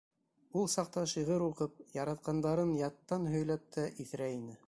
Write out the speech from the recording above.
Ул саҡта шиғыр уҡып, яратҡандарын яттан һөйләп тә иҫерә ине.